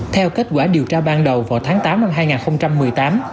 theo kết quả điều tra ban đầu vào tháng tám năm hai nghìn một mươi tám